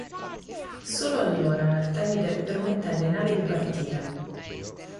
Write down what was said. Solo allora Artemide permette alle navi di partire.